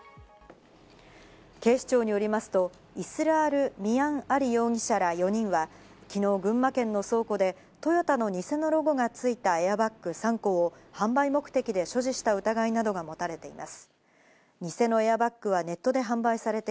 警視庁によりますと、イスラール・ミアン・アリ容疑者ら４人は、昨日、群馬県の倉庫でトヨタの偽のロゴがついたエアバッグ３個を販売目的で所持した疑いなどが持たれています。